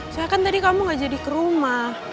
saya kan tadi kamu gak jadi ke rumah